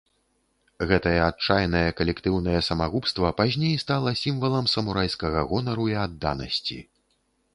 Гэтае адчайнае калектыўнае самагубства пазней стала сімвалам самурайскага гонару і адданасці.